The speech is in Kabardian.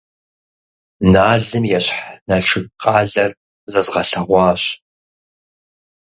Налым ещхь Налшык къалэр зэзгъэлъэгъуащ.